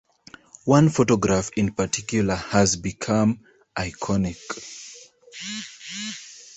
One photograph in particular has become iconic.